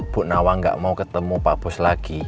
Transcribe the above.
bu nawang gak mau ketemu pak bos lagi